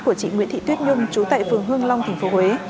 của chị nguyễn thị tuyết nhung chú tẩy phường hương long tp huế